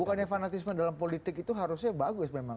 bukannya fanatisme dalam politik itu harusnya bagus memang